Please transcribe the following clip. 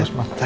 oh bagus mbak